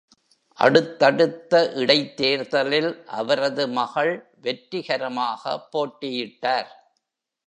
அடுத்தடுத்த இடைத்தேர்தலில் அவரது மகள் வெற்றிகரமாக போட்டியிட்டார்.